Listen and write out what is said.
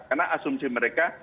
karena asumsi mereka